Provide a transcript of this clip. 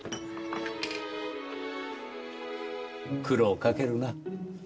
苦労かけるな。